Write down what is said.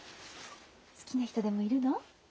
好きな人でもいるの？